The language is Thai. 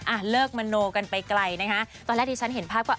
อ่ะเลิกมโนกันไปไกลนะคะตอนแรกที่ฉันเห็นภาพก็